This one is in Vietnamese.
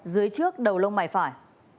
dưới trước đầu lông mải phải